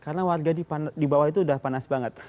karena warga di bawah itu udah panas banget